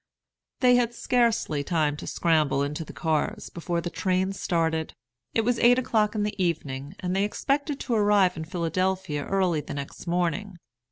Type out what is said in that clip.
They had scarcely time to scramble into the cars, before the train started. It was eight o'clock in the evening, and they expected to arrive in Philadelphia early the next morning.